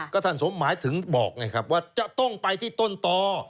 ก็ท่านสมหมายถึงบอกไงครับว่าจะต้องไปที่ต้นต่อ